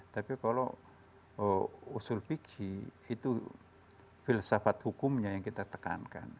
tapi kalau usul fikih itu filsafat hukumnya yang kita tekankan